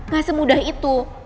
gak semudah itu